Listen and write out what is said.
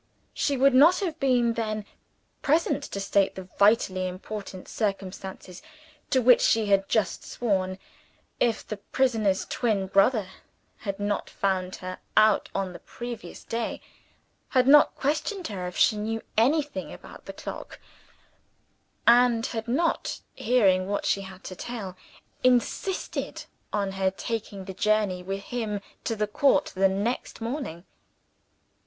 She would not have been then present to state the vitally important circumstances to which she had just sworn, if the prisoner's twin brother had not found her out on the previous day had not questioned her if she knew anything about the clock and had not (hearing what she had to tell) insisted on her taking the journey with him to the court the next morning.